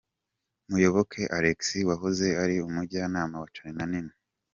Muyoboke Alex wahoze ari umujyanama wa Charly na Nina.